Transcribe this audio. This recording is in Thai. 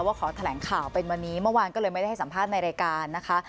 ขอแถลงข่าวเป็นวันนี้เมื่อวานก็เลยไม่ได้ให้สัมภาษณ์ในรายการนะคะ